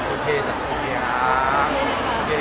โอเคค่ะขอบคุณค่ะ